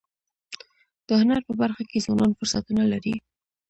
د هنر په برخه کي ځوانان فرصتونه لري.